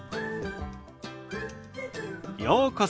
ようこそ。